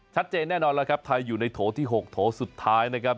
ชัดเจนแน่นอนแล้วครับไทยอยู่ในโถที่๖โถสุดท้ายนะครับ